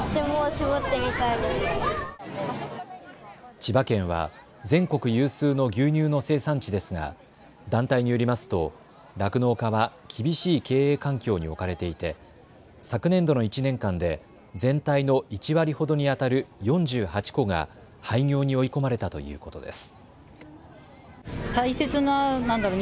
千葉県は全国有数の牛乳の生産地ですが団体によりますと酪農家は厳しい経営環境に置かれていて昨年度の１年間で全体の１割ほどにあたる４８戸が廃業に追い込まれたということです。